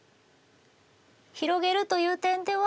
広げるという点では？